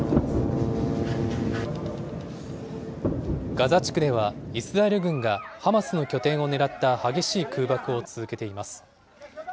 ガザ地区では、イスラエル軍がハマスの拠点を狙った激しい空爆を続けています。